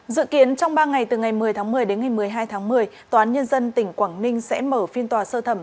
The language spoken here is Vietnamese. dự kiến trong ba ngày từ ngày một mươi tháng một mươi đến ngày một mươi hai tháng một mươi tòa án nhân dân tỉnh quảng ninh sẽ mở phiên tòa sơ thẩm